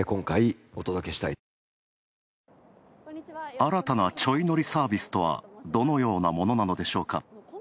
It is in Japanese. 新たなちょい乗りサービスとは、どのようなものなのでしょうか。